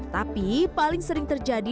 tapi paling sering terjadi